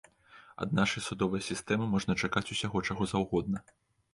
Ад нашай судовай сістэмы можна чакаць усяго, чаго заўгодна.